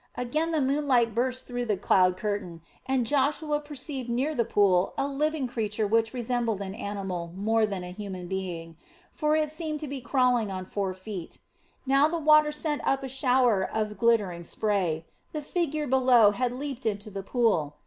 Again the moonlight burst through the cloud curtain, and Joshua perceived near the pool a living creature which resembled an animal more than a human being, for it seemed to be crawling on four feet. Now the water sent up a shower of glittering spray. The figure below had leaped into the pool.